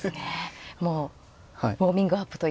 もうウォーミングアップというか。